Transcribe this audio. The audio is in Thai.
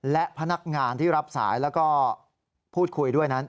และพนักงานที่รับสายแล้วก็พูดคุยด้วยนั้น